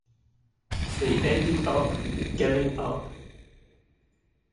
They ended up giving up.